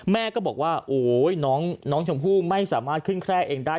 แม่ก็บอกว่าโอ้ยน้องชมพู่ไม่สามารถขึ้นแคร่เองได้